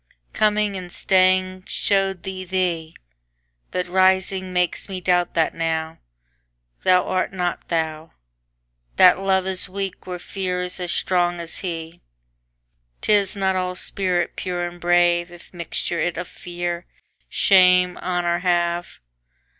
Coming and staying show'd thee thee; But rising makes me doubt that nowThou art not thou. That Love is weak where Fear's as strong as he;'Tis not all spirit pure and brave, If mixture it of Fear, Shame, Honour have.